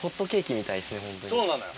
そうなのよ